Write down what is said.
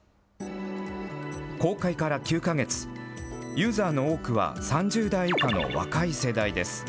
公開から９か月、ユーザーの多くは３０代以下の若い世代です。